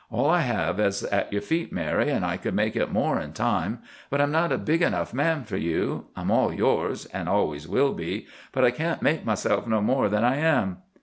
All I have is at your feet, Mary, an' I could make it more in time. But I'm not a big enough man for you. I'm all yours—an' always will be—but I can't make myself no more than I am."